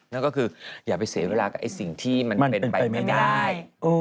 นั่นก็คืออย่าไปเสียเวลากับสิ่งที่มันเป็นไปไม่ได้